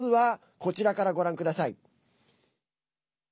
まずは、こちらからご覧ください。